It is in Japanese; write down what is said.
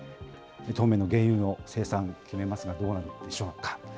当面の原油の生産決めますがどうなるのでしょうか。